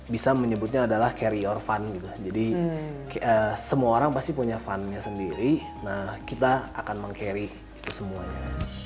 bisa menyebutnya adalah carrior fun gitu jadi semua orang pasti punya fun nya sendiri nah kita akan meng carry itu semuanya